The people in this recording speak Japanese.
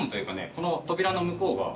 この扉の向こうが。